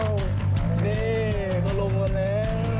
นี่ก็ลงมาแล้ว